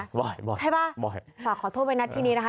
ใช่ป่ะฝากขอโทษไปนัดที่นี้นะคะ